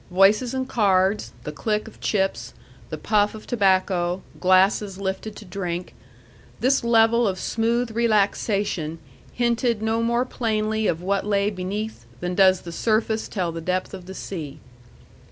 Voices and cards, the click of chips, the puff of tobacco, glasses lifted to drink, this level of smooth relaxation hinted no more plainly of what lay beneath than does the surface tell the depth of the sea.